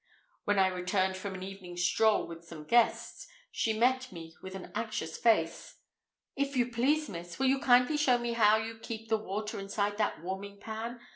When I returned from an evening stroll with some guests, she met me with an anxious face. "If you please, miss, will you kindly show me how you keep the water inside that warming pan?